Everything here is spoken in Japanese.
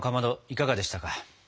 いかがでしたか？